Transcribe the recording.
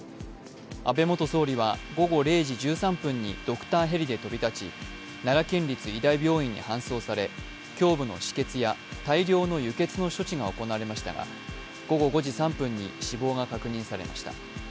安倍元総理は午後０時１３分にドクターヘリで奈良県立医大病院に搬送され、胸部の止血や大量の輸血の処置が行われましたが午後５時３分に死亡が確認されました。